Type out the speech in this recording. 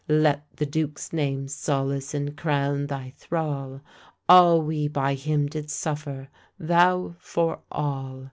Let the duke's name solace and crown thy thrall; All we by him did suffer, thou for all!